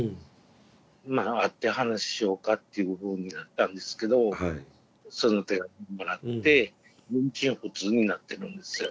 まあ会って話しようかっていうふうになったんですけどその手紙もらって音信不通になってるんですよ。